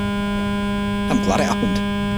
I'm glad it happened.